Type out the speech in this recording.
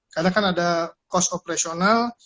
karena kan ada cost operasional